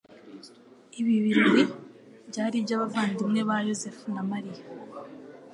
ibi birori byari iby’abavandimwe ba Yosefu na Mariya ;